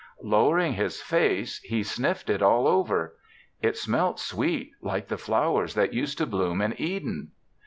Lowering his face, he sniffed it all over. It smelt sweet like the flowers that used to bloom in Eden.